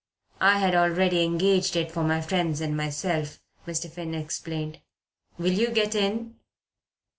"I had already engaged it for my friends and myself," Mr. Finn explained. "Will you get in?"